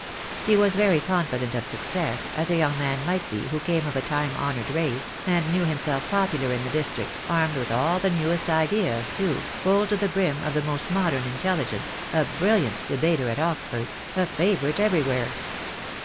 He was very confident of success, as a young man might be who came of a time honoured race, and knew himself popular in the district, armed with all the newest ideas, too, full to the brim of the most modern intelligence, a brilliant debater at Oxford, a favourite everywhere.